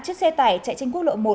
chiếc xe tải chạy trên quốc lộ một